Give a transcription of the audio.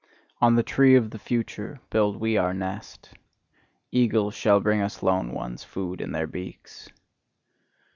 On the tree of the future build we our nest; eagles shall bring us lone ones food in their beaks!